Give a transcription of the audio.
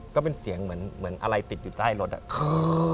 ก็เป็นเสียงเหมือนเหมือนอะไรติดอยู่ใต้รถอ่ะ